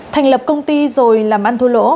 thành lập công ty rồi làm ăn thu lỗ